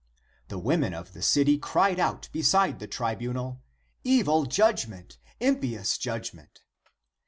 ^^ The women of the city cried out beside the tribunal, "Evil judgment! impious judgment!"